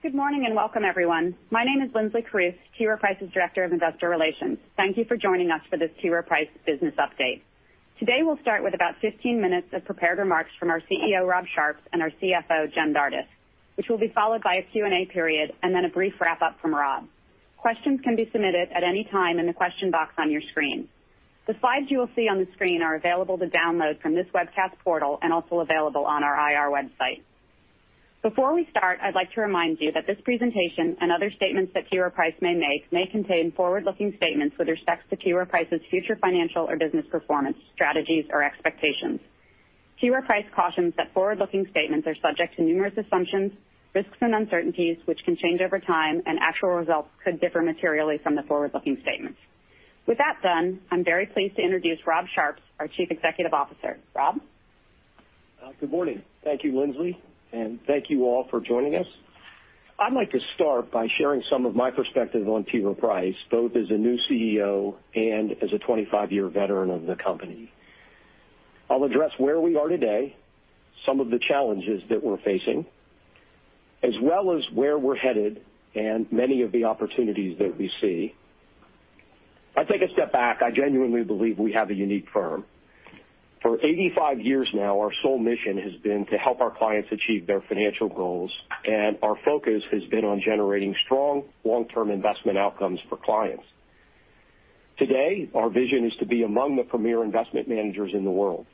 Good morning, and welcome everyone. My name is Linsley Carruth, T. Rowe Price's Director of Investor Relations. Thank you for joining us for this T. Rowe Price business update. Today, we'll start with about 15 minutes of prepared remarks from our CEO, Rob Sharps, and our CFO, Jen Dardis, which will be followed by a Q&A period and then a brief wrap-up from Rob. Questions can be submitted at any time in the question box on your screen. The slides you will see on the screen are available to download from this webcast portal and also available on our IR website. Before we start, I'd like to remind you that this presentation and other statements that T. Rowe Price may make may contain forward-looking statements with respect to T. Rowe Price's future financial or business performance, strategies, or expectations. T. Rowe Price cautions that forward-looking statements are subject to numerous assumptions, risks, and uncertainties, which can change over time, and actual results could differ materially from the forward-looking statements. With that done, I'm very pleased to introduce Rob Sharps, our Chief Executive Officer. Rob? Good morning. Thank you, Lindsay, and thank you all for joining us. I'd like to start by sharing some of my perspective on T. Rowe Price, both as a new CEO and as a 25-year veteran of the company. I'll address where we are today, some of the challenges that we're facing, as well as where we're headed and many of the opportunities that we see. If I take a step back, I genuinely believe we have a unique firm. For 85 years now, our sole mission has been to help our clients achieve their financial goals, and our focus has been on generating strong long-term investment outcomes for clients. Today, our vision is to be among the premier investment managers in the world.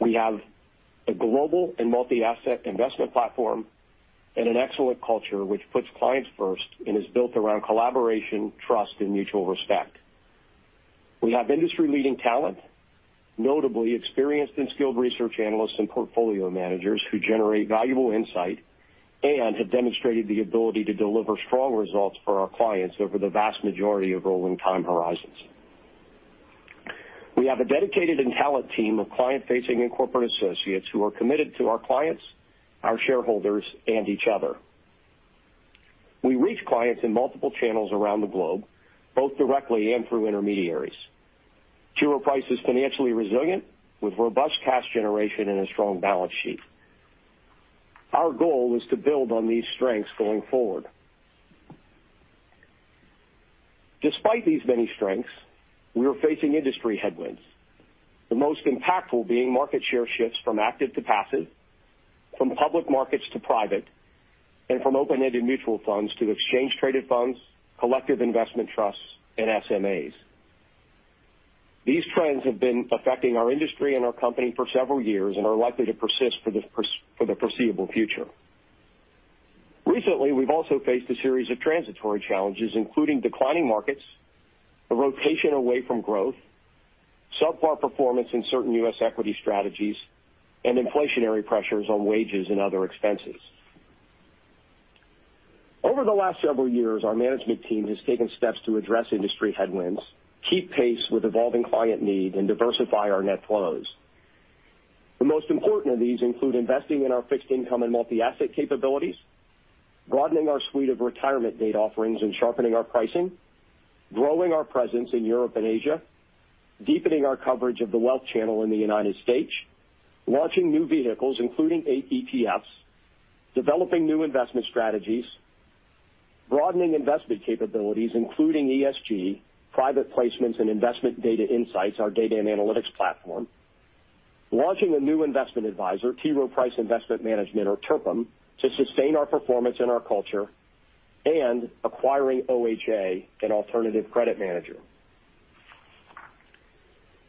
We have a global and multi-asset investment platform and an excellent culture which puts clients first and is built around collaboration, trust, and mutual respect. We have industry-leading talent, notably experienced and skilled research analysts and portfolio managers who generate valuable insight and have demonstrated the ability to deliver strong results for our clients over the vast majority of rolling time horizons. We have a dedicated and talented team of client-facing and corporate associates who are committed to our clients, our shareholders, and each other. We reach clients in multiple channels around the globe, both directly and through intermediaries. T. Rowe Price is financially resilient with robust cash generation and a strong balance sheet. Our goal is to build on these strengths going forward. Despite these many strengths, we are facing industry headwinds, the most impactful being market share shifts from active to passive, from public markets to private, and from open-ended mutual funds to exchange traded funds, collective investment trusts, and SMAs. These trends have been affecting our industry and our company for several years and are likely to persist for the foreseeable future. Recently, we've also faced a series of transitory challenges, including declining markets, a rotation away from growth, subpar performance in certain U.S. equity strategies, and inflationary pressures on wages and other expenses. Over the last several years, our management team has taken steps to address industry headwinds, keep pace with evolving client needs, and diversify our net flows. The most important of these include investing in our fixed income and multi-asset capabilities, broadening our suite of target date offerings, and sharpening our pricing, growing our presence in Europe and Asia, deepening our coverage of the wealth channel in the United States, launching new vehicles, including 8 ETFs, developing new investment strategies, broadening investment capabilities, including ESG, private placements, and investment data insights, our data and analytics platform, launching a new investment advisor, T. Rowe Price Investment Management or TRPIM, to sustain our performance and our culture, and acquiring OHA, an alternative credit manager.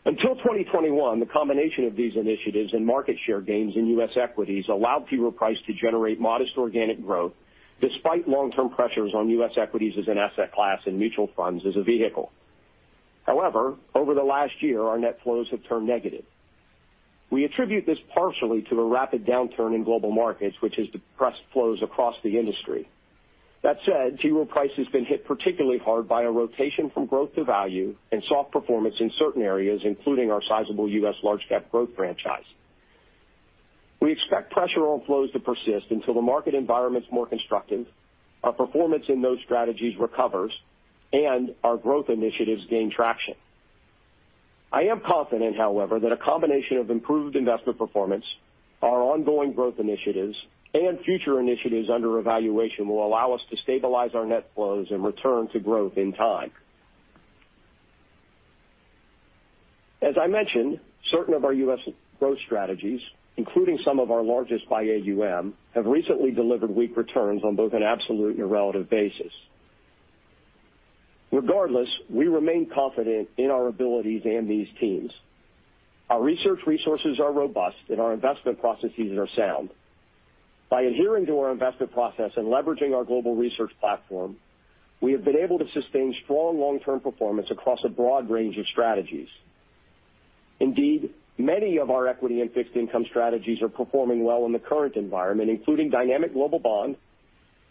Until 2021, the combination of these initiatives and market share gains in U.S. equities allowed T. Rowe Price to generate modest organic growth despite long-term pressures on U.S. equities as an asset class and mutual funds as a vehicle. However, over the last year, our net flows have turned negative. We attribute this partially to a rapid downturn in global markets, which has depressed flows across the industry. That said, T. Rowe Price has been hit particularly hard by a rotation from growth to value and soft performance in certain areas, including our sizable U.S. large-cap growth franchise. We expect pressure on flows to persist until the market environment's more constructive, our performance in those strategies recovers, and our growth initiatives gain traction. I am confident, however, that a combination of improved investment performance, our ongoing growth initiatives, and future initiatives under evaluation will allow us to stabilize our net flows and return to growth in time. As I mentioned, certain of our U.S. growth strategies, including some of our largest by AUM, have recently delivered weak returns on both an absolute and relative basis. Regardless, we remain confident in our abilities and these teams. Our research resources are robust, and our investment processes are sound. By adhering to our investment process and leveraging our global research platform, we have been able to sustain strong long-term performance across a broad range of strategies. Indeed, many of our equity and fixed income strategies are performing well in the current environment, including Dynamic Global Bond,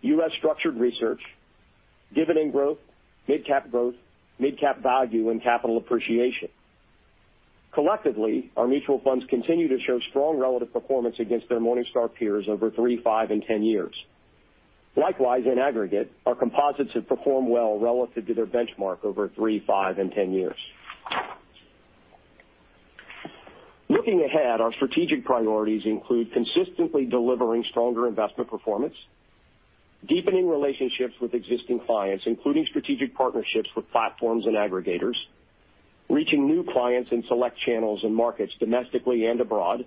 U.S. Structured Research, Dividend Growth, Mid-Cap Growth, Mid-Cap Value, and Capital Appreciation. Collectively, our mutual funds continue to show strong relative performance against their Morningstar peers over three, five, and 10 years. Likewise, in aggregate, our composites have performed well relative to their benchmark over 3, 5, and 10 years. Looking ahead, our strategic priorities include consistently delivering stronger investment performance, deepening relationships with existing clients, including strategic partnerships with platforms and aggregators, reaching new clients in select channels and markets domestically and abroad,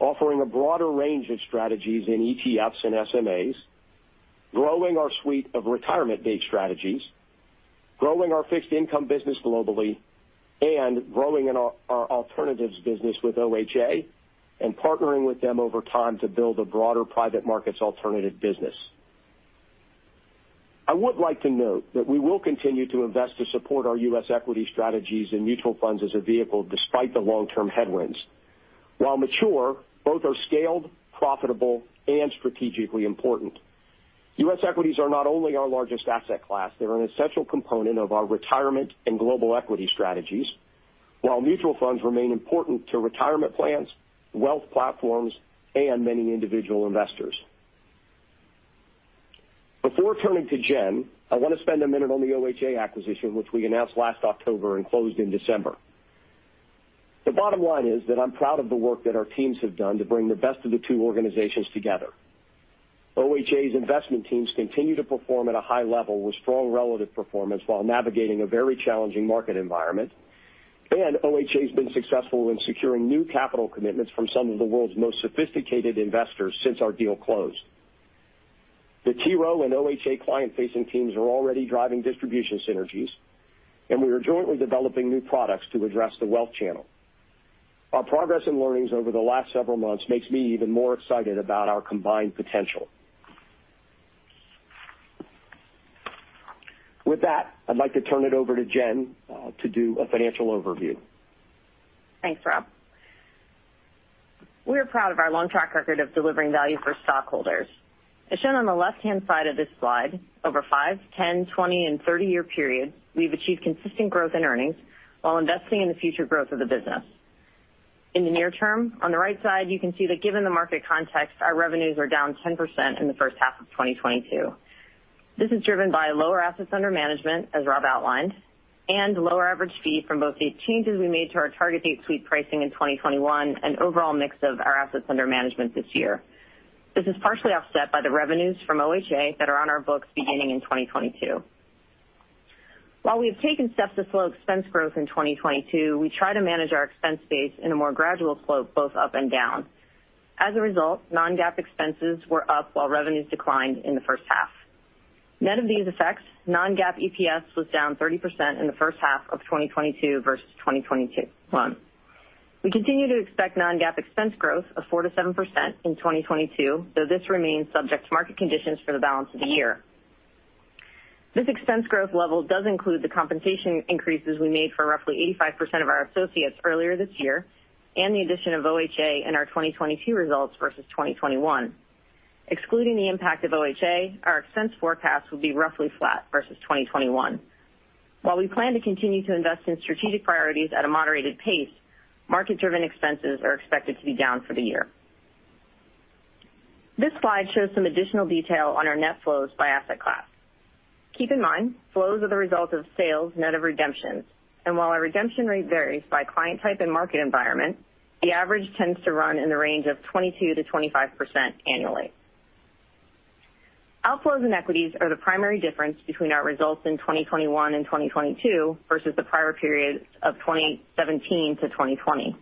offering a broader range of strategies in ETFs and SMAs, growing our suite of target date strategies, growing our fixed income business globally, and growing our alternatives business with OHA and partnering with them over time to build a broader private markets alternative business. I would like to note that we will continue to invest to support our U.S. equity strategies and mutual funds as a vehicle despite the long-term headwinds. While mature, both are scaled, profitable, and strategically important. U.S. equities are not only our largest asset class, they're an essential component of our retirement and global equity strategies, while mutual funds remain important to retirement plans, wealth platforms, and many individual investors. Before turning to Jen, I want to spend a minute on the OHA acquisition, which we announced last October and closed in December. The bottom line is that I'm proud of the work that our teams have done to bring the best of the two organizations together. OHA's investment teams continue to perform at a high level with strong relative performance while navigating a very challenging market environment. OHA has been successful in securing new capital commitments from some of the world's most sophisticated investors since our deal closed. The T. Rowe Price and OHA client-facing teams are already driving distribution synergies, and we are jointly developing new products to address the wealth channel. Our progress and learnings over the last several months makes me even more excited about our combined potential. With that, I'd like to turn it over to Jen, to do a financial overview. Thanks, Rob. We are proud of our long track record of delivering value for stockholders. As shown on the left-hand side of this slide, over 5-, 10-, 20-, and 30-year periods, we've achieved consistent growth in earnings while investing in the future growth of the business. In the near term, on the right side, you can see that given the market context, our revenues are down 10% in the first half of 2022. This is driven by lower assets under management, as Rob outlined, and lower average fee from both the changes we made to our Target Date Suite pricing in 2021 and overall mix of our assets under management this year. This is partially offset by the revenues from OHA that are on our books beginning in 2022. While we have taken steps to slow expense growth in 2022, we try to manage our expense base in a more gradual slope, both up and down. As a result, non-GAAP expenses were up while revenues declined in the first half. Net of these effects, non-GAAP EPS was down 30% in the first half of 2022 versus 2021. We continue to expect non-GAAP expense growth of 4%-7% in 2022, though this remains subject to market conditions for the balance of the year. This expense growth level does include the compensation increases we made for roughly 85% of our associates earlier this year and the addition of OHA in our 2022 results versus 2021. Excluding the impact of OHA, our expense forecast will be roughly flat versus 2021. While we plan to continue to invest in strategic priorities at a moderated pace, market-driven expenses are expected to be down for the year. This slide shows some additional detail on our net flows by asset class. Keep in mind, flows are the result of sales net of redemptions, and while our redemption rate varies by client type and market environment, the average tends to run in the range of 22%-25% annually. Outflows in equities are the primary difference between our results in 2021 and 2022 versus the prior periods of 2017-2020.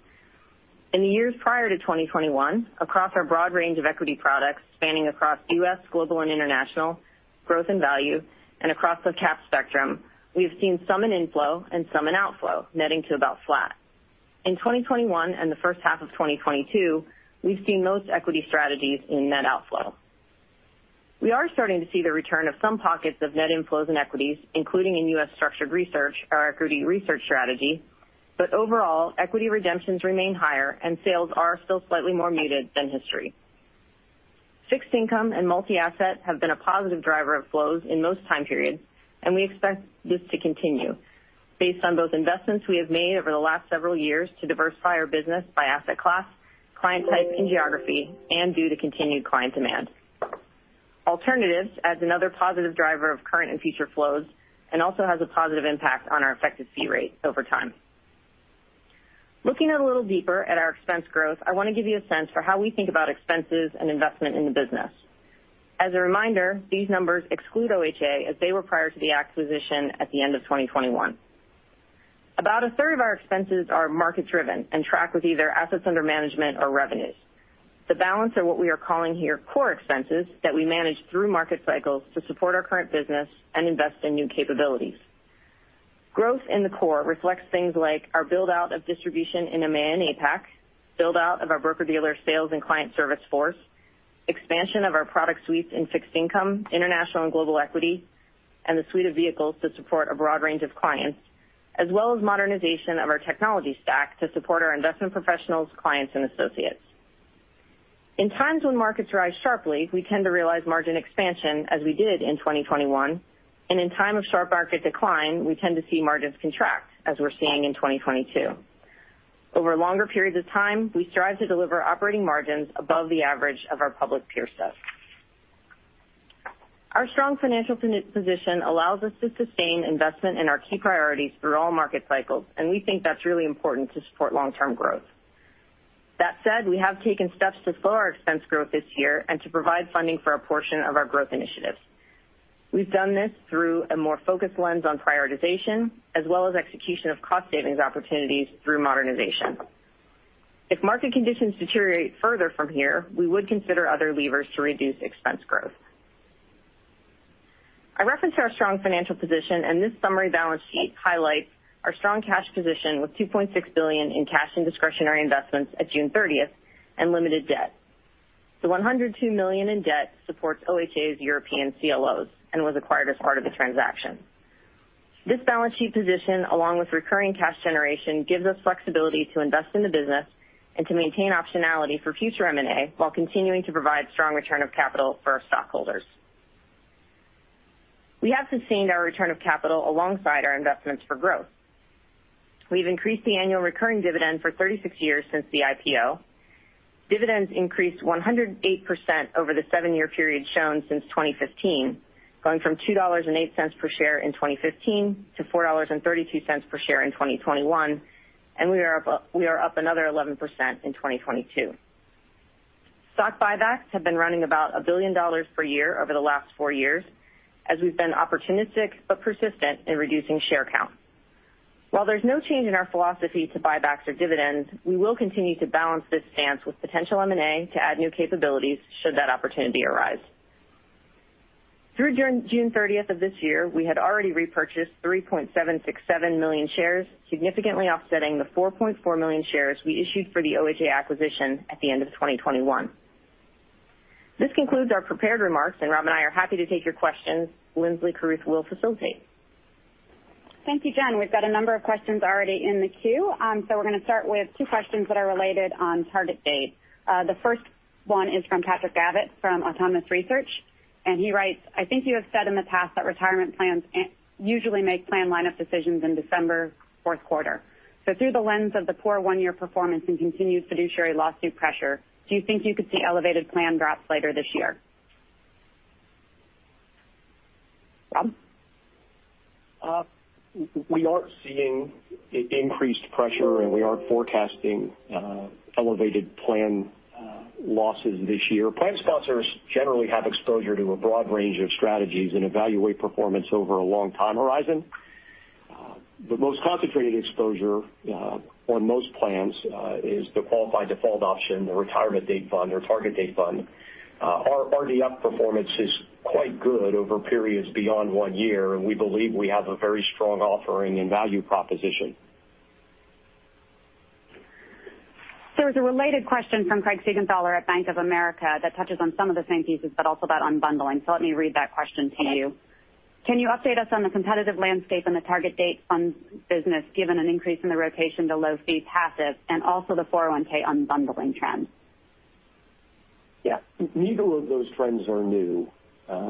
In the years prior to 2021, across our broad range of equity products spanning across U.S., global, and international, growth in value, and across the cap spectrum, we've seen some inflow and some outflow, netting to about flat. In 2021 and the first half of 2022, we've seen most equity strategies in net outflow. We are starting to see the return of some pockets of net inflows and equities, including in U.S. Structured Research, our equity research strategy. Overall, equity redemptions remain higher and sales are still slightly more muted than history. Fixed income and multi-asset have been a positive driver of flows in most time periods, and we expect this to continue based on both investments we have made over the last several years to diversify our business by asset class, client type, and geography, and due to continued client demand. Alternatives adds another positive driver of current and future flows and also has a positive impact on our effective fee rate over time. Looking a little deeper at our expense growth, I want to give you a sense for how we think about expenses and investment in the business. As a reminder, these numbers exclude OHA as they were prior to the acquisition at the end of 2021. About a third of our expenses are market-driven and track with either assets under management or revenues. The balance are what we are calling here core expenses that we manage through market cycles to support our current business and invest in new capabilities. Growth in the core reflects things like our build-out of distribution in EMEA and APAC, build-out of our broker-dealer sales and client service force, expansion of our product suites in fixed income, international and global equity, and the suite of vehicles to support a broad range of clients, as well as modernization of our technology stack to support our investment professionals, clients, and associates. In times when markets rise sharply, we tend to realize margin expansion as we did in 2021, and in time of sharp market decline, we tend to see margins contract, as we're seeing in 2022. Over longer periods of time, we strive to deliver operating margins above the average of our public peer set. Our strong financial position allows us to sustain investment in our key priorities through all market cycles, and we think that's really important to support long-term growth. That said, we have taken steps to slow our expense growth this year and to provide funding for a portion of our growth initiatives. We've done this through a more focused lens on prioritization, as well as execution of cost savings opportunities through modernization. If market conditions deteriorate further from here, we would consider other levers to reduce expense growth. I referenced our strong financial position, and this summary balance sheet highlights our strong cash position with $2.6 billion in cash and discretionary investments at June thirtieth, and limited debt. The $102 million in debt supports OHA's European CLOs and was acquired as part of the transaction. This balance sheet position, along with recurring cash generation, gives us flexibility to invest in the business and to maintain optionality for future M&A while continuing to provide strong return of capital for our stockholders. We have sustained our return of capital alongside our investments for growth. We've increased the annual recurring dividend for 36 years since the IPO. Dividends increased 108% over the 7-year period shown since 2015, going from $2.08 per share in 2015 to $4.32 per share in 2021, and we are up another 11% in 2022. Stock buybacks have been running about $1 billion per year over the last 4 years as we've been opportunistic but persistent in reducing share count. While there's no change in our philosophy to buybacks or dividends, we will continue to balance this stance with potential M&A to add new capabilities should that opportunity arise. Through June 30th of this year, we had already repurchased 3.767 million shares, significantly offsetting the 4.4 million shares we issued for the OHA acquisition at the end of 2021. This concludes our prepared remarks, and Rob and I are happy to take your questions. Linsley Carruth will facilitate. Thank you, Jen. We've got a number of questions already in the queue. We're going to start with two questions that are related on target date. The first one is from Patrick Davitt from Autonomous Research, and he writes: I think you have said in the past that retirement plans usually make plan lineup decisions in December Q4. Through the lens of the poor one-year performance and continued fiduciary lawsuit pressure, do you think you could see elevated plan drops later this year? Rob? We aren't seeing increased pressure, and we aren't forecasting elevated plan losses this year. Plan sponsors generally have exposure to a broad range of strategies and evaluate performance over a long time horizon. The most concentrated exposure on most plans is the qualified default option, the retirement date fund or target date fund. Our RDF performance is quite good over periods beyond one year, and we believe we have a very strong offering and value proposition. There's a related question from Craig Siegenthaler at Bank of America that touches on some of the same pieces, but also about unbundling. Let me read that question to you. Can you update us on the competitive landscape and the target date funds business, given an increase in the rotation to low fee passive and also the 401(k) unbundling trends? Yeah. Neither of those trends are new.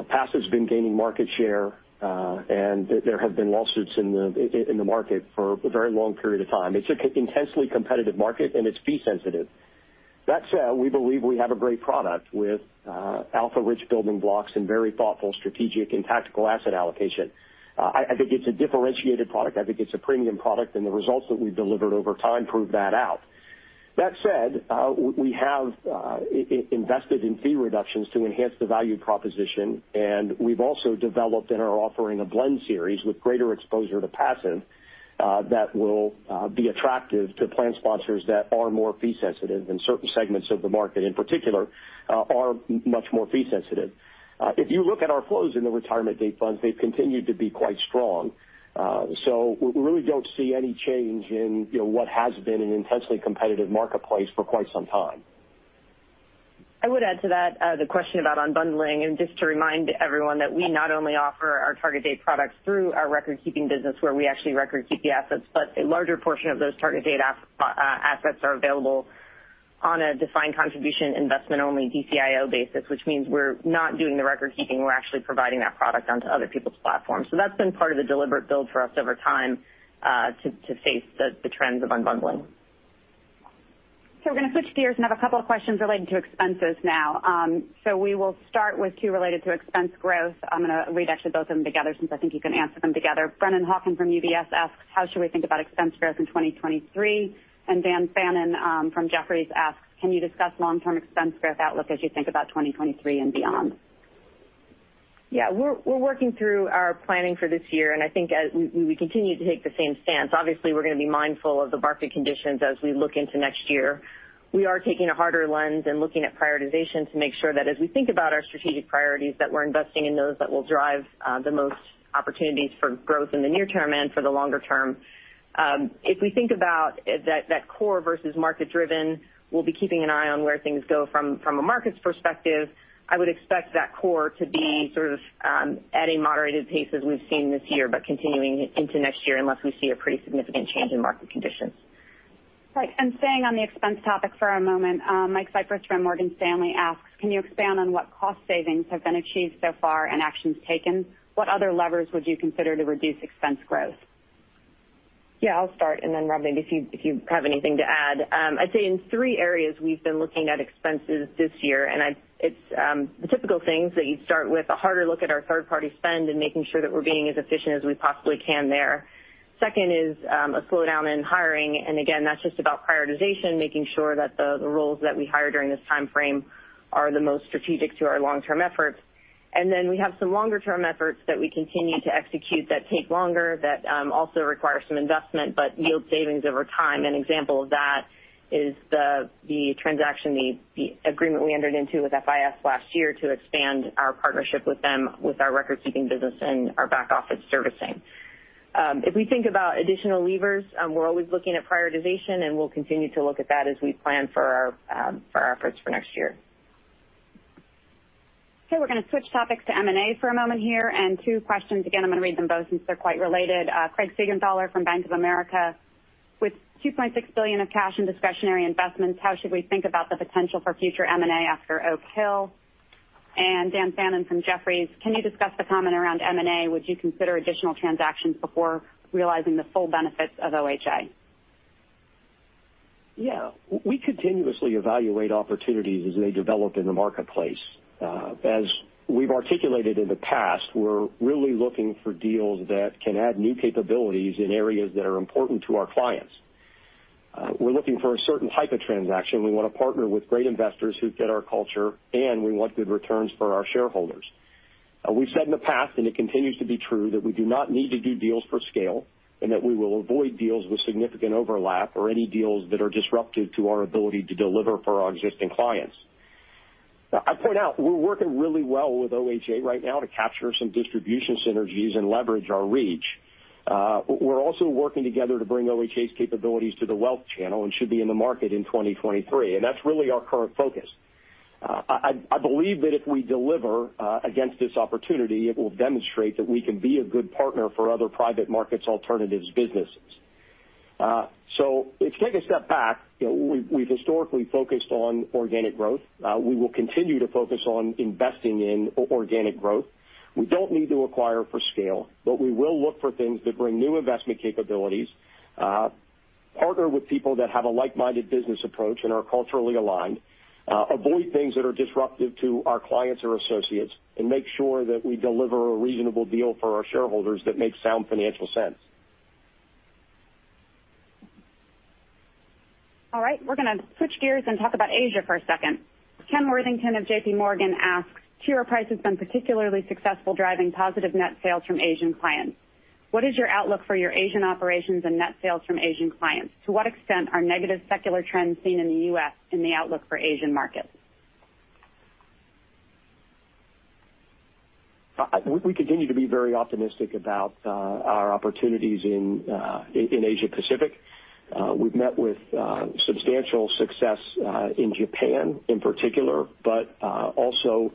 Passive's been gaining market share, and there have been lawsuits in the market for a very long period of time. It's an intensely competitive market, and it's fee sensitive. That said, we believe we have a great product with alpha-rich building blocks and very thoughtful strategic and tactical asset allocation. I think it's a differentiated product. I think it's a premium product, and the results that we've delivered over time prove that out. That said, we have invested in fee reductions to enhance the value proposition, and we've also developed in our offering a blend series with greater exposure to passive that will be attractive to plan sponsors that are more fee sensitive, and certain segments of the market, in particular, are much more fee sensitive. If you look at our flows in the target date funds, they've continued to be quite strong. We really don't see any change in what has been an intensely competitive marketplace for quite some time. I would add to that the question about unbundling, and just to remind everyone that we not only offer our Target Date products through our record-keeping business where we actually recordkeep the assets, but a larger portion of those Target Date assets are available on a defined contribution investment only DCIO basis, which means we're not doing the recordkeeping. We're actually providing that product onto other people's platforms. That's been part of the deliberate build for us over time to face the trends of unbundling. We're going to switch gears and have a couple of questions related to expenses now. We will start with two related to expense growth. I'm going to read actually both of them together since I think you can answer them together. Brennan Hawken from UBS asks, "How should we think about expense growth in 2023?" Dan Fannon from Jefferies asks, "Can you discuss long-term expense growth outlook as you think about 2023 and beyond? Yeah. We're working through our planning for this year, and I think as we continue to take the same stance. Obviously, we're going to be mindful of the market conditions as we look into next year. We are taking a harder lens and looking at prioritization to make sure that as we think about our strategic priorities, that we're investing in those that will drive the most opportunities for growth in the near term and for the longer term. If we think about that core versus market driven, we'll be keeping an eye on where things go from a markets perspective. I would expect that core to be sort of at a moderated pace as we've seen this year, but continuing into next year unless we see a pretty significant change in market conditions. Right. Staying on the expense topic for a moment, Michael Cyprys from Morgan Stanley asks, "Can you expand on what cost savings have been achieved so far and actions taken? What other levers would you consider to reduce expense growth? Yeah, I'll start, and then Rob, maybe if you have anything to add. I'd say in three areas we've been looking at expenses this year, and it's the typical things that you'd start with. A harder look at our third party spend and making sure that we're being as efficient as we possibly can there. Second is a slowdown in hiring. Again, that's just about prioritization, making sure that the roles that we hire during this timeframe are the most strategic to our long-term efforts. We have some longer-term efforts that we continue to execute that take longer, that also require some investment, but yield savings over time. An example of that is the agreement we entered into with FIS last year to expand our partnership with them, with our recordkeeping business and our back office servicing. If we think about additional levers, we're always looking at prioritization, and we'll continue to look at that as we plan for our efforts for next year. Okay, we're going to switch topics to M&A for a moment here. Two questions again, I'm going to read them both since they're quite related. Craig Siegenthaler from Bank of America. With $2.6 billion of cash and discretionary investments, how should we think about the potential for future M&A after Oak Hill? Dan Fannon from Jefferies. Can you discuss the comment around M&A? Would you consider additional transactions before realizing the full benefits of OHA? Yeah. We continuously evaluate opportunities as they develop in the marketplace. As we've articulated in the past, we're really looking for deals that can add new capabilities in areas that are important to our clients. We're looking for a certain type of transaction. We want to partner with great investors who fit our culture, and we want good returns for our shareholders. We've said in the past, and it continues to be true, that we do not need to do deals for scale, and that we will avoid deals with significant overlap or any deals that are disruptive to our ability to deliver for our existing clients. Now, I point out we're working really well with OHA right now to capture some distribution synergies and leverage our reach. We're also working together to bring OHA's capabilities to the wealth channel and should be in the market in 2023. That's really our current focus. I believe that if we deliver against this opportunity, it will demonstrate that we can be a good partner for other private markets alternatives businesses. If you take a step back we've historically focused on organic growth. We will continue to focus on investing in organic growth. We don't need to acquire for scale, but we will look for things that bring new investment capabilities, partner with people that have a like-minded business approach and are culturally aligned, avoid things that are disruptive to our clients or associates, and make sure that we deliver a reasonable deal for our shareholders that makes sound financial sense. All right. We're going to switch gears and talk about Asia for a second. Kenneth Worthington of J.P. Morgan asks, T. Rowe Price has been particularly successful driving positive net sales from Asian clients. What is your outlook for your Asian operations and net sales from Asian clients? To what extent are negative secular trends seen in the U.S. in the outlook for Asian markets? We continue to be very optimistic about our opportunities in Asia Pacific. We've met with substantial success in Japan in particular, but also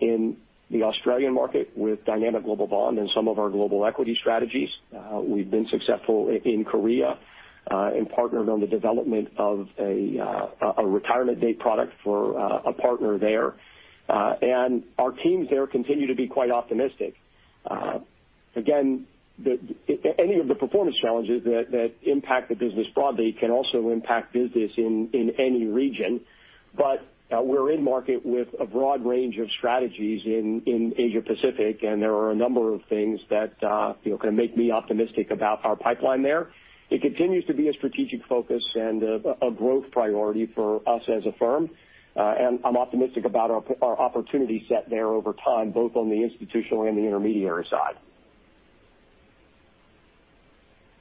in the Australian market with Dynamic Global Bond and some of our global equity strategies. We've been successful in Korea and partnered on the development of a retirement date product for a partner there. Our teams there continue to be quite optimistic. Again, any of the performance challenges that impact the business broadly can also impact business in any region. We're in market with a broad range of strategies in Asia Pacific, and there are a number of things that you know can make me optimistic about our pipeline there. It continues to be a strategic focus and a growth priority for us as a firm. I'm optimistic about our opportunity set there over time, both on the institutional and the intermediary side.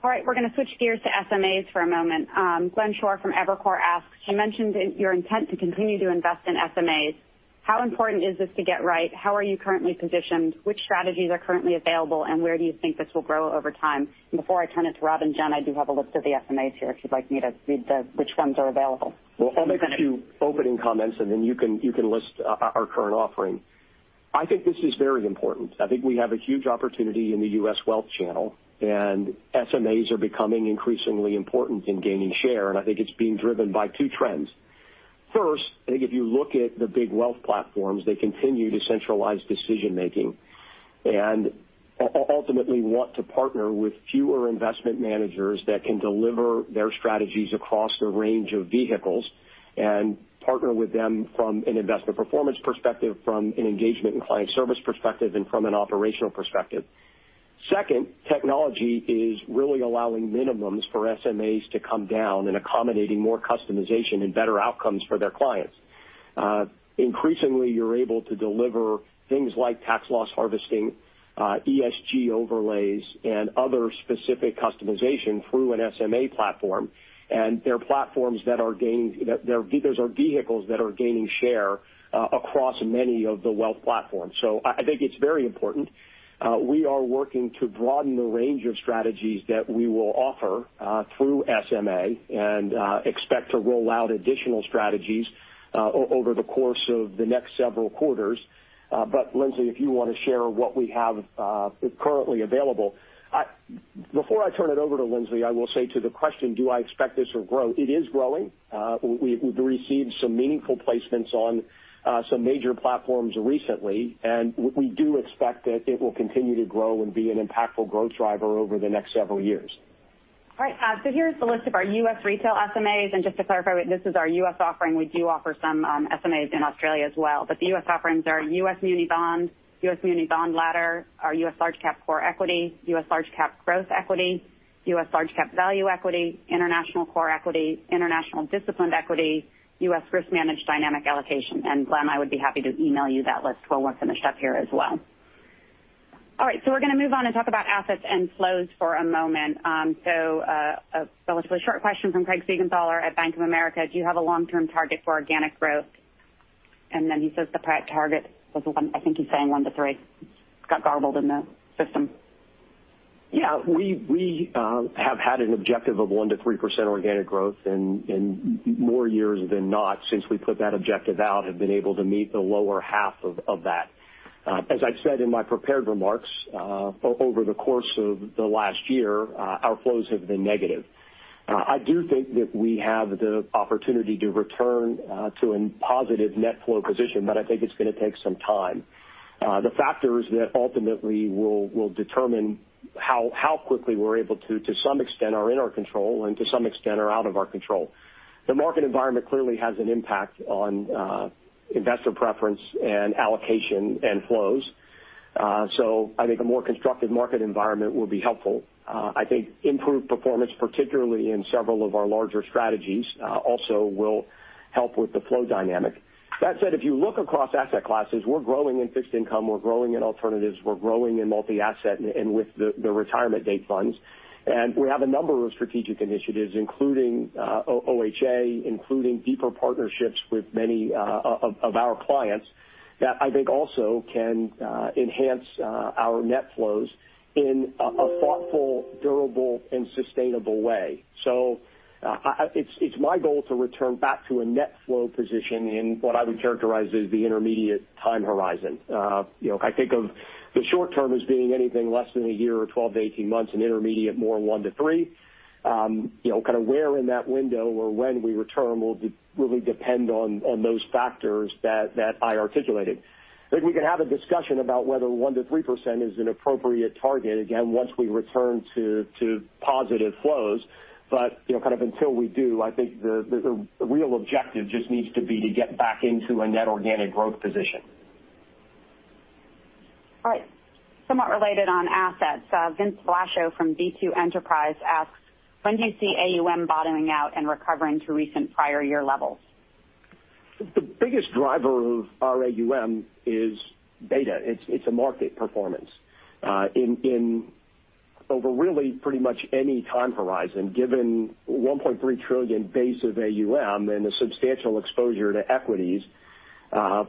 All right. We're going to switch gears to SMAs for a moment. Glenn Schorr from Evercore asks, you mentioned in your intent to continue to invest in SMAs. How important is this to get right? How are you currently positioned? Which strategies are currently available, and where do you think this will grow over time? Before I turn it to Rob and Jen, I do have a list of the SMAs here, if you'd like me to read which ones are available. Well, I'll make a few opening comments, and then you can list our current offering. I think this is very important. I think we have a huge opportunity in the U.S. wealth channel, and SMAs are becoming increasingly important in gaining share, and I think it's being driven by two trends. First, I think if you look at the big wealth platforms, they continue to centralize decision-making and ultimately want to partner with fewer investment managers that can deliver their strategies across a range of vehicles. Partner with them from an investment performance perspective, from an engagement and client service perspective, and from an operational perspective. Second, technology is really allowing minimums for SMAs to come down and accommodating more customization and better outcomes for their clients. Increasingly, you're able to deliver things like tax loss harvesting, ESG overlays, and other specific customization through an SMA platform. Those are vehicles that are gaining share across many of the wealth platforms. I think it's very important. We are working to broaden the range of strategies that we will offer through SMA and expect to roll out additional strategies over the course of the next several quarters. Linsley, if you want to share what we have currently available. Before I turn it over to Linsley, I will say to the question, do I expect this will grow? It is growing. We've received some meaningful placements on some major platforms recently, and we do expect that it will continue to grow and be an impactful growth driver over the next several years. All right. Here's the list of our U.S. retail SMAs. Just to clarify, this is our U.S. offering. We do offer some SMAs in Australia as well. The U.S. offerings are U.S. muni bonds, U.S. muni bond ladder, our U.S. Large-Cap Core Equity, U.S. Large Cap Growth Equity, U.S. Large Cap Value Equity, International Core Equity, International Disciplined Equity, U.S. Risk Managed Dynamic Allocation. Glenn, I would be happy to email you that list when we're finished up here as well. All right, we're going to move on and talk about assets and flows for a moment. A relatively short question from Craig Siegenthaler at Bank of America. Do you have a long-term target for organic growth? Then he says the target was 1%-3%. I think he's saying 1-3. It got garbled in the system. Yeah. We have had an objective of 1%-3% organic growth in more years than not, since we put that objective out, have been able to meet the lower half of that. As I said in my prepared remarks, over the course of the last year, our flows have been negative. I do think that we have the opportunity to return to a positive net flow position, but I think it's going to take some time. The factors that ultimately will determine how quickly we're able to some extent, are in our control and to some extent are out of our control. The market environment clearly has an impact on investor preference and allocation and flows. I think a more constructive market environment will be helpful. I think improved performance, particularly in several of our larger strategies, also will help with the flows dynamic. That said, if you look across asset classes, we're growing in fixed income, we're growing in alternatives, we're growing in multi-asset and with the target date funds. We have a number of strategic initiatives, including OHA, including deeper partnerships with many of our clients that I think also can enhance our net flows in a thoughtful, durable, and sustainable way. It's my goal to return back to a net flow position in what I would characterize as the intermediate time horizon. I think of the short term as being anything less than a year or 12-18 months, and intermediate more 1-3. Kind of where in that window or when we return will really depend on those factors that I articulated. I think we can have a discussion about whether 1%-3% is an appropriate target, again, once we return to positive flows. kind of until we do, I think the real objective just needs to be to get back into a net organic growth position. All right. Somewhat related on assets, Vince Lovascio from B2 Enterprise asks, When do you see AUM bottoming out and recovering to recent prior year levels? The biggest driver of our AUM is data. It's a market performance. Over really pretty much any time horizon, given 1.3 trillion base of AUM and the substantial exposure to equities, the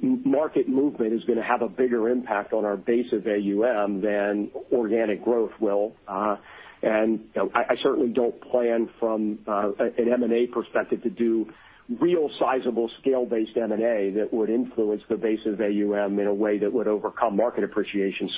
market movement is going to have a bigger impact on our base of AUM than organic growth will. I certainly don't plan from an M&A perspective to do real sizable scale-based M&A that would influence the base of AUM in a way that would overcome market appreciation.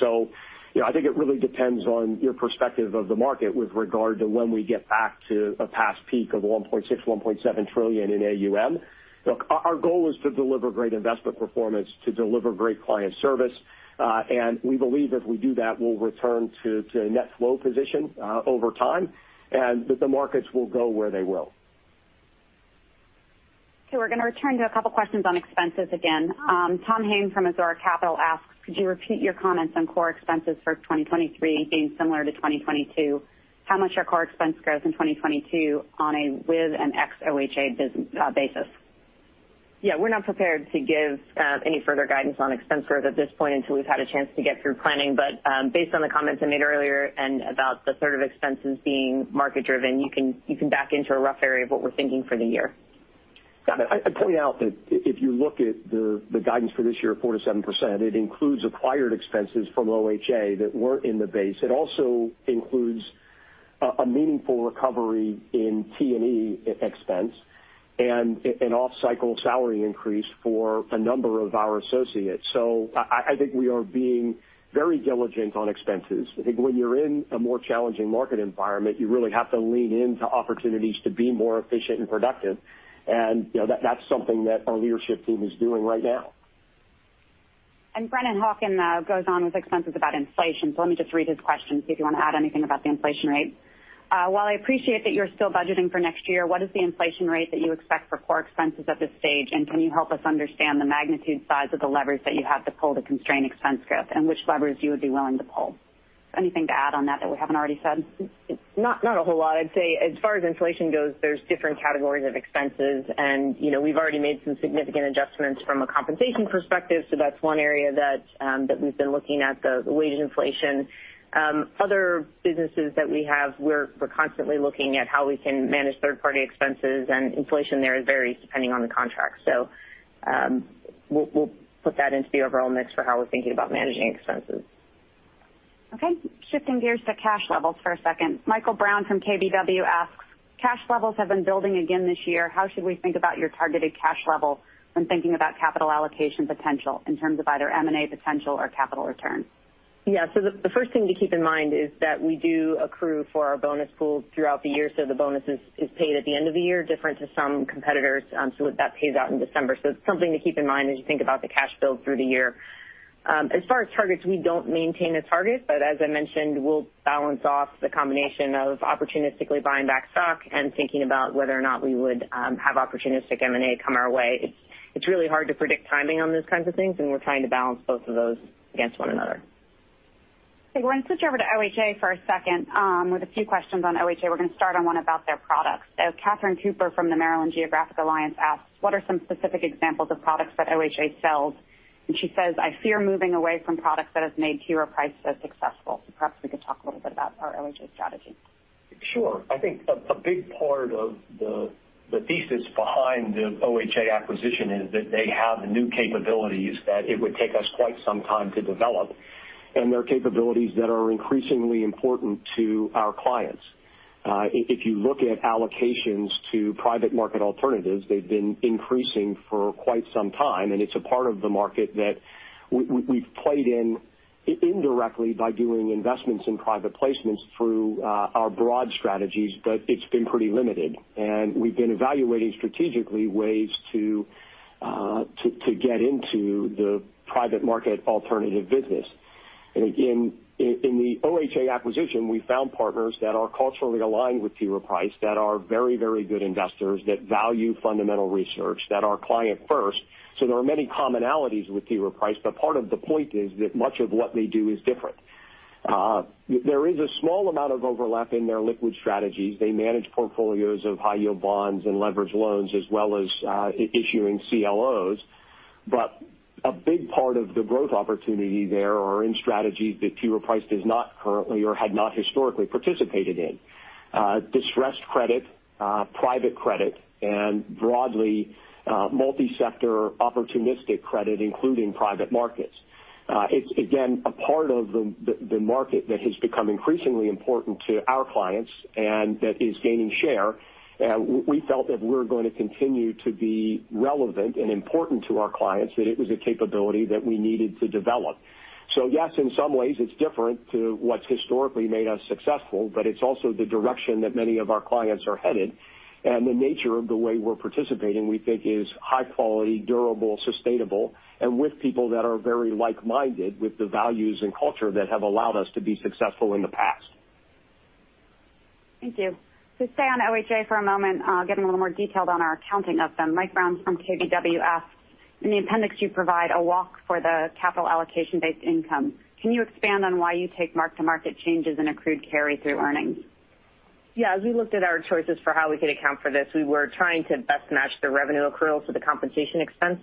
I think it really depends on your perspective of the market with regard to when we get back to a past peak of 1.6, 1.7 trillion in AUM. Look, our goal is to deliver great investment performance, to deliver great client service. We believe if we do that, we'll return to a net flow position over time, and that the markets will go where they will. Okay, we're going to return to a couple questions on expenses again. Tom Hayes from Azora Capital asks, Could you repeat your comments on core expenses for 2023 being similar to 2022? How much are core expense growth in 2022 on a with and ex OHA basis? Yeah. We're not prepared to give any further guidance on expense growth at this point until we've had a chance to get through planning. Based on the comments I made earlier and about the sort of expenses being market-driven, you can back into a rough area of what we're thinking for the year. Got it. I'd point out that if you look at the guidance for this year of 4%-7%, it includes acquired expenses from OHA that weren't in the base. It also includes a meaningful recovery in T&E expense and an off-cycle salary increase for a number of our associates. I think we are being very diligent on expenses. I think when you're in a more challenging market environment, you really have to lean into opportunities to be more efficient and productive. that's something that our leadership team is doing right now. Brennan Hawken, goes on with expenses about inflation. Let me just read his question, see if you want to add anything about the inflation rate. While I appreciate that you're still budgeting for next year, what is the inflation rate that you expect for core expenses at this stage? And can you help us understand the magnitude size of the levers that you have to pull to constrain expense growth, and which levers you would be willing to pull? Anything to add on that we haven't already said? Not a whole lot. I'd say as far as inflation goes, there's different categories of expenses. we've already made some significant adjustments from a compensation perspective, so that's one area that we've been looking at, the wage inflation. Other businesses that we have, we're constantly looking at how we can manage third party expenses, and inflation there varies depending on the contract. We'll put that into the overall mix for how we're thinking about managing expenses. Okay. Shifting gears to cash levels for a second. Michael Brown from KBW asks, Cash levels have been building again this year. How should we think about your targeted cash levels when thinking about capital allocation potential in terms of either M&A potential or capital return? Yeah. The first thing to keep in mind is that we do accrue for our bonus pools throughout the year, so the bonus is paid at the end of the year, different to some competitors. That pays out in December. It's something to keep in mind as you think about the cash build through the year. As far as targets, we don't maintain a target, but as I mentioned, we'll balance off the combination of opportunistically buying back stock and thinking about whether or not we would have opportunistic M&A come our way. It's really hard to predict timing on those kinds of things, and we're trying to balance both of those against one another. Okay. We're going to switch over to OHA for a second, with a few questions on OHA. We're going to start on one about their products. Catherine Cooper from the Maryland Geographic Alliance asks, What are some specific examples of products that OHA sells? She says, I fear moving away from products that have made T. Rowe Price so successful. Perhaps we could talk a little bit about our OHA strategy. Sure. I think a big part of the thesis behind the OHA acquisition is that they have new capabilities that it would take us quite some time to develop, and they're capabilities that are increasingly important to our clients. If you look at allocations to private market alternatives, they've been increasing for quite some time, and it's a part of the market that we've played in indirectly by doing investments in private placements through our broad strategies, but it's been pretty limited. We've been evaluating strategically ways to get into the private market alternative business. Again, in the OHA acquisition, we found partners that are culturally aligned with T. Rowe Price that are very, very good investors that value fundamental research, that are client first. There are many commonalities with T. Rowe Price, part of the point is that much of what they do is different. There is a small amount of overlap in their liquid strategies. They manage portfolios of high-yield bonds and leveraged loans, as well as issuing CLOs. A big part of the growth opportunity there are in strategies that T. Rowe Price does not currently or had not historically participated in. Distressed credit, private credit, and broadly, multi-sector opportunistic credit, including private markets. It's again a part of the market that has become increasingly important to our clients and that is gaining share. We felt if we're going to continue to be relevant and important to our clients, that it was a capability that we needed to develop. Yes, in some ways it's different to what's historically made us successful, but it's also the direction that many of our clients are headed. The nature of the way we're participating, we think is high quality, durable, sustainable, and with people that are very like-minded with the values and culture that have allowed us to be successful in the past. Thank you. To stay on OHA for a moment, getting a little more detailed on our accounting of them, Michael Brown from KBW asks, "In the appendix, you provide a walk for the capital allocation-based income. Can you expand on why you take mark-to-market changes in accrued carry through earnings? Yeah. As we looked at our choices for how we could account for this, we were trying to best match the revenue accruals to the compensation expense,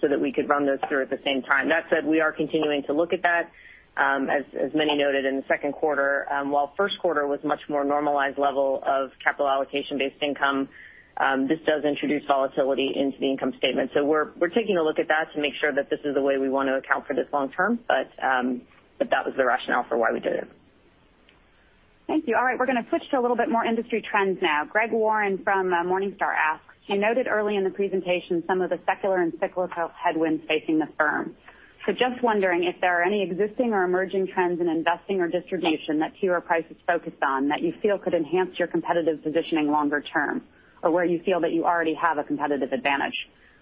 so that we could run those through at the same time. That said, we are continuing to look at that. As many noted in the Q2, while Q1 was much more normalized level of capital allocation-based income, this does introduce volatility into the income statement. We're taking a look at that to make sure that this is the way we want to account for this long term. That was the rationale for why we did it. Thank you. All right, we're going to switch to a little bit more industry trends now. Gregg Warren from Morningstar asks, You noted early in the presentation some of the secular and cyclical headwinds facing the firm. So just wondering if there are any existing or emerging trends in investing or distribution that T. Rowe Price is focused on that you feel could enhance your competitive positioning longer term, or where you feel that you already have a competitive advantage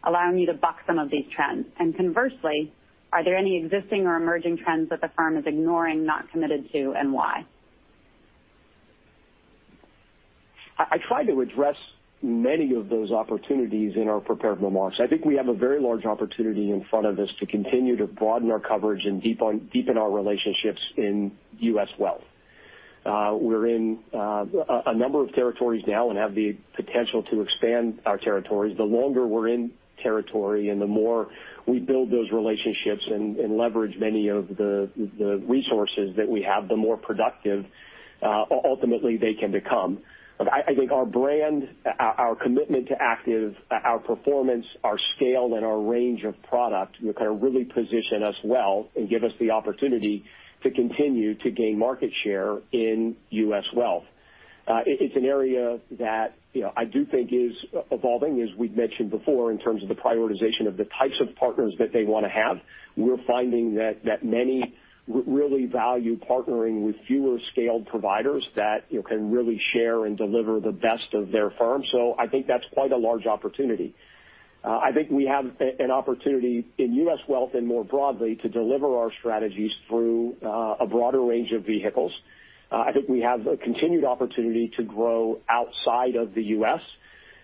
allowing you to buck some of these trends? And conversely, are there any existing or emerging trends that the firm is ignoring, not committed to, and why? I tried to address many of those opportunities in our prepared remarks. I think we have a very large opportunity in front of us to continue to broaden our coverage and deepen our relationships in U.S. wealth. We're in a number of territories now and have the potential to expand our territories. The longer we're in territory and the more we build those relationships and leverage many of the resources that we have, the more productive ultimately they can become. I think our brand, our commitment to active, our performance, our scale, and our range of product will kind of really position us well and give us the opportunity to continue to gain market share in U.S. wealth. It's an area that I do think is evolving, as we've mentioned before, in terms of the prioritization of the types of partners that they want to have. We're finding that many really value partnering with fewer scaled providers that can really share and deliver the best of their firm. I think that's quite a large opportunity. I think we have an opportunity in U.S. wealth and more broadly to deliver our strategies through a broader range of vehicles. I think we have a continued opportunity to grow outside of the U.S.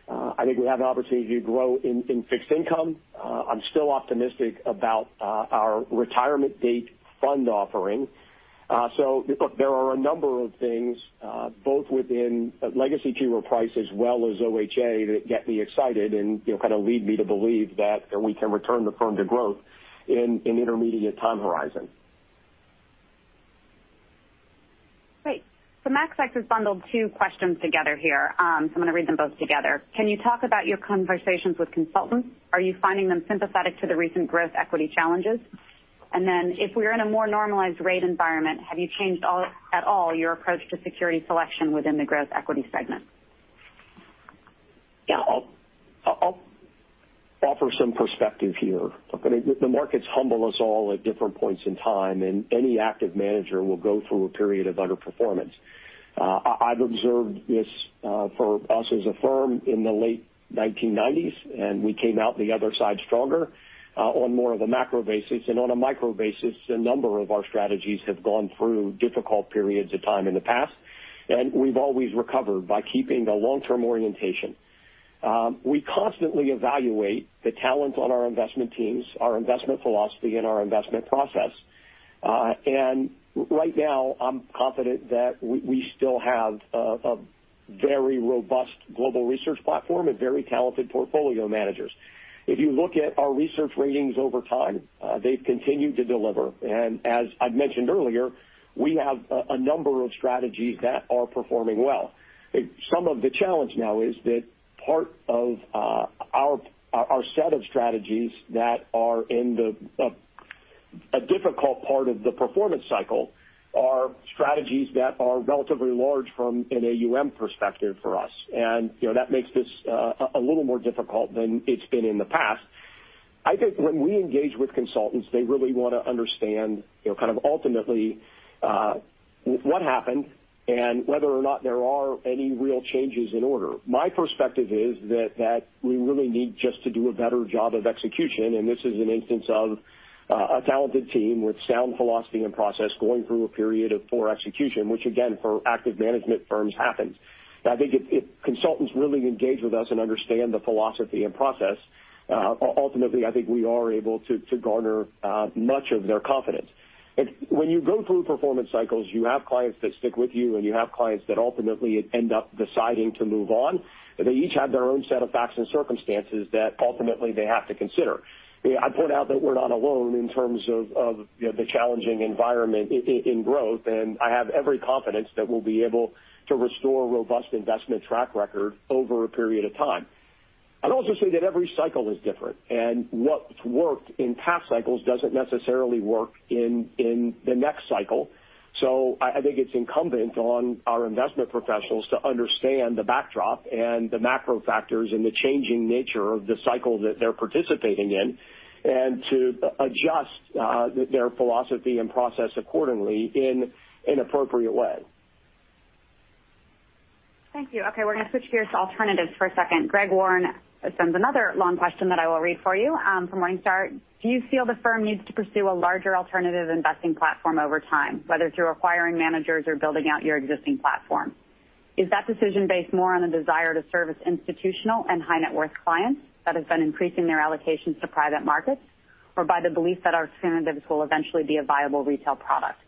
I think we have an opportunity to grow in fixed income. I'm still optimistic about our target-date fund offering. Look, there are a number of things both within legacy T. Rowe Price as well as OHA that get me excited and kind of lead me to believe that we can return the firm to growth in an intermediate time horizon. Great. Max Cetron's bundled two questions together here, so I'm going to read them both together. Can you talk about your conversations with consultants? Are you finding them sympathetic to the recent growth equity challenges? And then if we're in a more normalized rate environment, have you changed at all your approach to security selection within the growth equity segment? I'll offer some perspective here. Okay. The markets humble us all at different points in time, and any active manager will go through a period of underperformance. I've observed this for us as a firm in the late 1990s, and we came out the other side stronger on more of a macro basis. On a micro basis, a number of our strategies have gone through difficult periods of time in the past, and we've always recovered by keeping the long-term orientation. We constantly evaluate the talent on our investment teams, our investment philosophy, and our investment process. Right now, I'm confident that we still have a very robust global research platform and very talented portfolio managers. If you look at our research ratings over time, they've continued to deliver. As I'd mentioned earlier, we have a number of strategies that are performing well. Some of the challenge now is that part of our set of strategies that are in a difficult part of the performance cycle are strategies that are relatively large from an AUM perspective for us. that makes this a little more difficult than it's been in the past. I think when we engage with consultants, they really want to understand kind of ultimately what happened and whether or not there are any real changes in order. My perspective is that we really need just to do a better job of execution, and this is an instance of a talented team with sound philosophy and process going through a period of poor execution, which again, for active management firms happens. I think if consultants really engage with us and understand the philosophy and process, ultimately, I think we are able to garner much of their confidence. When you go through performance cycles, you have clients that stick with you, and you have clients that ultimately end up deciding to move on. They each have their own set of facts and circumstances that ultimately they have to consider. I point out that we're not alone in terms of you know the challenging environment in growth, and I have every confidence that we'll be able to restore robust investment track record over a period of time. I'd also say that every cycle is different, and what's worked in past cycles doesn't necessarily work in the next cycle. I think it's incumbent on our investment professionals to understand the backdrop and the macro factors and the changing nature of the cycle that they're participating in and to adjust their philosophy and process accordingly in an appropriate way. Thank you. Okay, we're going to switch gears to alternatives for a second. Greggory Warren sends another long question that I will read for you, from Morningstar. Do you feel the firm needs to pursue a larger alternative investing platform over time, whether it's through acquiring managers or building out your existing platform? Is that decision based more on a desire to service institutional and high-net-worth clients that have been increasing their allocations to private markets or by the belief that alternatives will eventually be a viable retail product?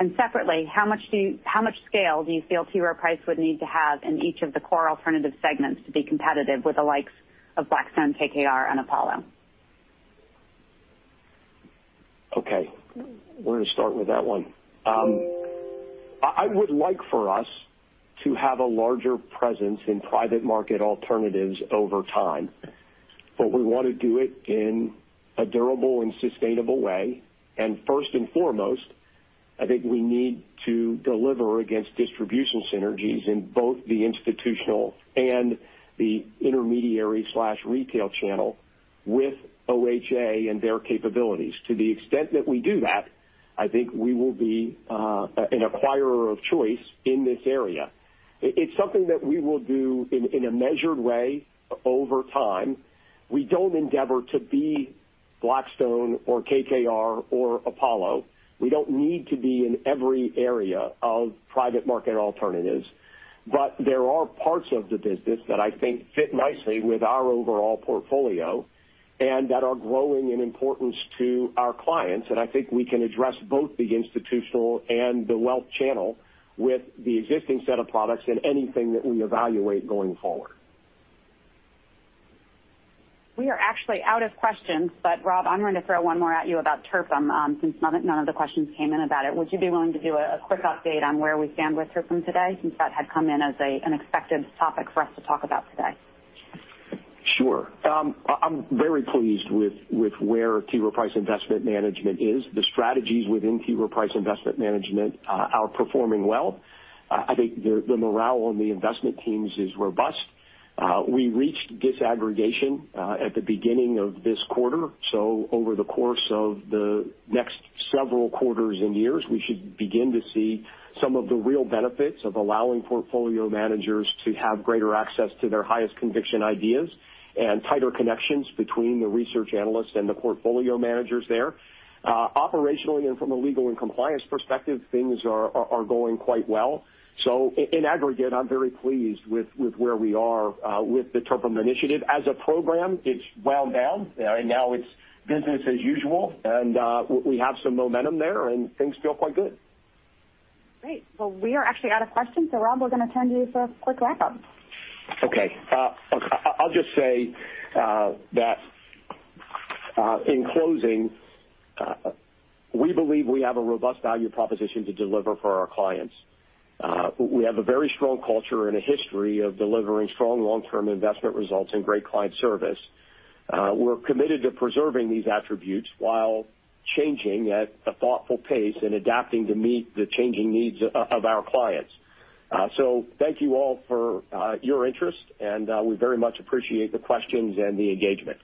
And separately, how much scale do you feel T. Rowe Price would need to have in each of the core alternative segments to be competitive with the likes of Blackstone, KKR, and Apollo? Okay, we're going to start with that one. I would like for us to have a larger presence in private market alternatives over time, but we want to do it in a durable and sustainable way. First and foremost, I think we need to deliver against distribution synergies in both the institutional and the intermediary/retail channel with OHA and their capabilities. To the extent that we do that, I think we will be an acquirer of choice in this area. It's something that we will do in a measured way over time. We don't endeavor to be Blackstone or KKR or Apollo. We don't need to be in every area of private market alternatives. There are parts of the business that I think fit nicely with our overall portfolio and that are growing in importance to our clients. I think we can address both the institutional and the wealth channel with the existing set of products and anything that we evaluate going forward. We are actually out of questions, but Rob, I'm going to throw one more at you about TRPIM, since none of the questions came in about it. Would you be willing to do a quick update on where we stand with TRPIM today, since that had come in as an expected topic for us to talk about today? Sure. I'm very pleased with where T. Rowe Price Investment Management is. The strategies within T. Rowe Price Investment Management are performing well. I think the morale on the investment teams is robust. We reached disaggregation at the beginning of this quarter. Over the course of the next several quarters and years, we should begin to see some of the real benefits of allowing portfolio managers to have greater access to their highest conviction ideas and tighter connections between the research analysts and the portfolio managers there. Operationally and from a legal and compliance perspective, things are going quite well. In aggregate, I'm very pleased with where we are with the TRPIM initiative. As a program, it's wound down. Now it's business as usual, and we have some momentum there, and things feel quite good. Great. Well, we are actually out of questions. Rob, we're going to turn to you for a quick wrap-up. Okay. I'll just say that in closing, we believe we have a robust value proposition to deliver for our clients. We have a very strong culture and a history of delivering strong long-term investment results and great client service. We're committed to preserving these attributes while changing at a thoughtful pace and adapting to meet the changing needs of our clients. Thank you all for your interest, and we very much appreciate the questions and the engagement.